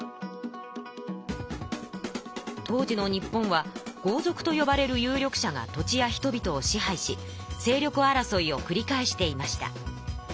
当時の日本は豪族とよばれる有力者が土地や人々を支配し勢力争いをくり返していました。